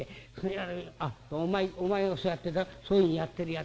あっお前お前をそうやってなそういうふうにやってるやつにね